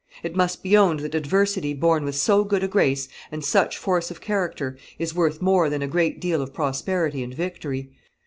It must be owned that adversity borne with so good a grace and such force of character is worth more than a great deal of prosperity and victory.